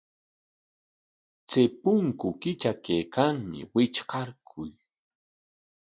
Chay punku kitrakaykanmi, witrqaykuy.